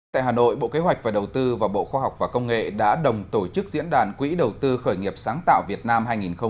tại hà nội bộ kế hoạch và đầu tư và bộ khoa học và công nghệ đã đồng tổ chức diễn đàn quỹ đầu tư khởi nghiệp sáng tạo việt nam hai nghìn một mươi chín